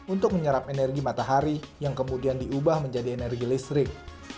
untuk menyerap energi matahari yang kemudian diubah menjadi energi listrik